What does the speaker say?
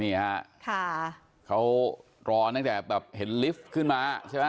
นี่ฮะเขารอตั้งแต่แบบเห็นลิฟต์ขึ้นมาใช่ไหม